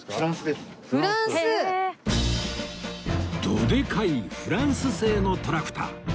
どでかいフランス製のトラクター